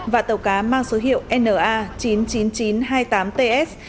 và tàu cá mang số hiệu na chín mươi chín nghìn chín trăm hai mươi tám ts